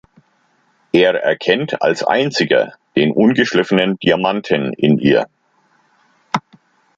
Er erkennt als Einziger den ungeschliffenen Diamanten in ihr.